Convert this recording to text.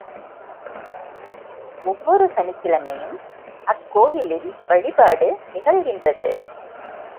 ஒவ்வொரு சனிக்கிழமையும், அக் கோயிலில் வழிபாடு நிகழ்கின்றது.